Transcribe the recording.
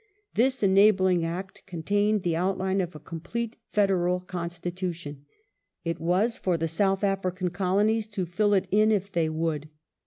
This enabling Act contained the outline of a complete Federal Constitution. It was for the South African Colonies to fill it in if they would.